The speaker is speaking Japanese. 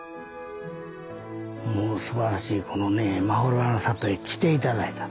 もうすばらしいこのまほろばの里へ来て頂いたと。